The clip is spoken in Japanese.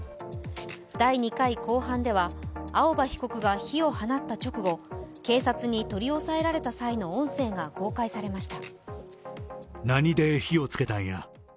第２回公判では、青葉被告が火を放った直後警察に取り押さえられた際の音声が公開されました。